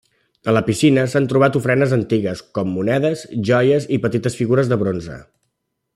En la piscina s'han trobat ofrenes antigues, com monedes, joies i petites figures de bronze.